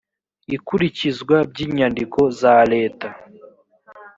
ikurikizwa by inyandiko za leta